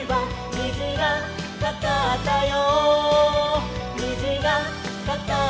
「にじがかかったよ」